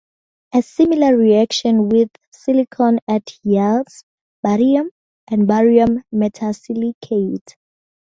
A similar reaction with silicon at yields barium and barium metasilicate.